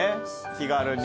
気軽に。